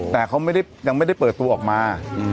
แต่เขายังไม่ได้เปิดตัวออกมา